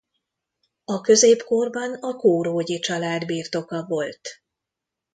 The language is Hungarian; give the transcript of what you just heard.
A középkorban a Kórógyi család birtoka volt.